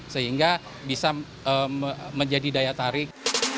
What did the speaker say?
sehingga bisa menjadi daya tarik